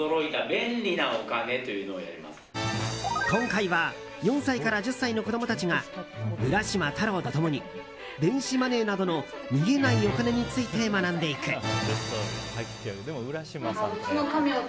今回は４歳から１０歳の子供たちが浦島太郎と共に電子マネーなどの見えないお金について学んでいく。